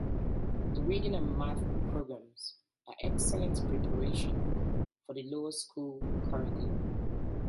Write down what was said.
The reading and math programs are an excellent preparation for the lower school curriculum.